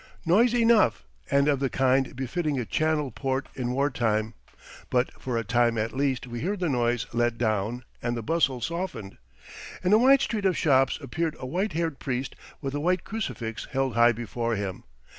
Noise enough, and of the kind befitting a Channel port in war time; but for a time at least we heard the noise let down, and the bustle softened. In a wide street of shops appeared a white haired priest with a white crucifix held high before him.